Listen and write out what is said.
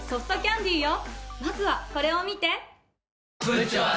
まずはこれを見て！